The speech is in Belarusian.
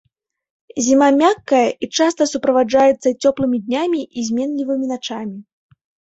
Зіма мяккая, і часта суправаджаецца цёплымі днямі і зменлівымі начамі.